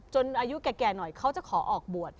อายุแก่หน่อยเขาจะขอออกบวช